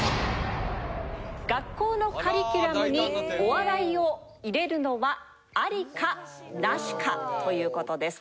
学校のカリキュラムにお笑いを入れるのはありかなしかという事です。